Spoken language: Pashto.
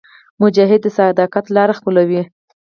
مجاهد د صداقت لاره خپلوي.